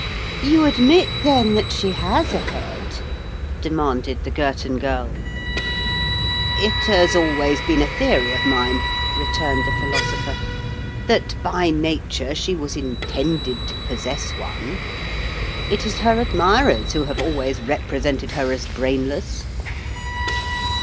"You admit, then, that she has a head?" demanded the Girton Girl. "It has always been a theory of mine," returned the Philosopher, "that by Nature she was intended to possess one. It is her admirers who have always represented her as brainless."